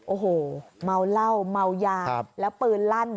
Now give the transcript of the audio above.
โอ้โหเมาเหล้าเมายาแล้วปืนลั่น